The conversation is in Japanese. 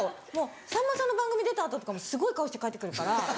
さんまさんの番組出た後とかすごい顔して帰ってくるから。